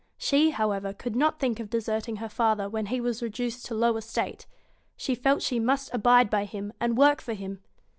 She, how ever, could not think of deserting her father when he was reduced to low estate. She felt she must abide by him, and work for him.